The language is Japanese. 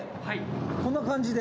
こんな感じで。